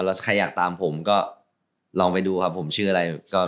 แล้วใครอยากตามผมก็ลองไปดูครับผมชื่ออะไร